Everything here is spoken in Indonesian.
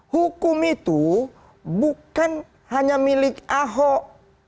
hukum itu bukan hanya milik ahok